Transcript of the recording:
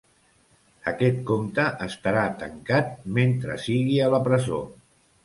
Aquest compte estarà tancat mentre sigui a la presó.